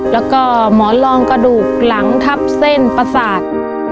แล้วก็หมอนรองกระดูกหลังทับเส้นประสาท